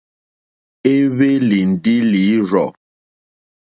É hwélì ndí lǐrzɔ̀.